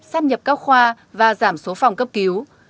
sắp nhập các khoa và giảm số phòng cấp cứu